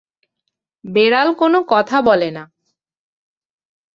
বেড়াল কোনো কথা বলে না।